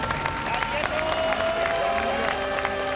ありがとう！